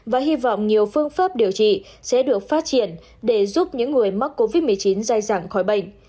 và hy vọng nhiều phương pháp điều trị sẽ được phát triển để giúp những người mắc covid một mươi chín dài dẳng khỏi bệnh